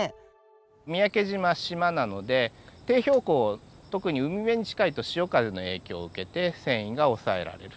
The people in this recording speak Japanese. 三宅島島なので低標高特に海辺に近いと潮風の影響を受けて遷移が抑えられる。